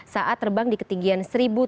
saat terbang di ketinggian